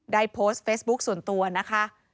ได้โพสต์เฟซบุ๊คส่วนตัวนะคะ